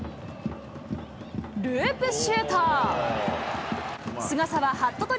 ループシュート。